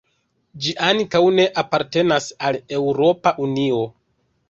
Ĝi ankaŭ ne apartenas al Eŭropa Unio.